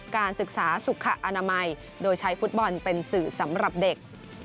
การศึกษาสุขอนามัยโดยใช้ฟุตบอลเป็นสื่อสำหรับเด็ก